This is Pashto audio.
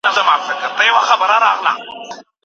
برابر چلند د خلکو ترمنځ اعتماد زیاتوي.